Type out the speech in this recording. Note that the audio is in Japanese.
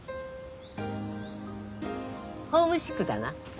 ホームシックだな。